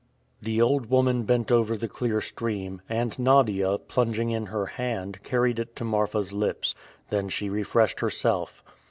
The old woman bent over the clear stream, and Nadia, plunging in her hand, carried it to Marfa's lips. Then she refreshed herself.